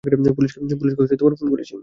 পুলিশকে ফোন করেছি।